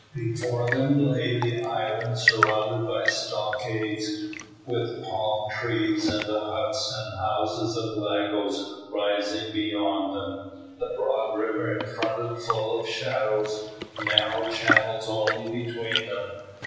Before them lay the island surrounded by stockades, with palm trees, and the huts and houses of Lagos rising beyond them; the broad river in front full of shallows, narrow channels only between them.